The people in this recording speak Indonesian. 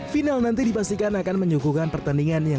final nanti dipastikan akan menyukuhkan pertandingan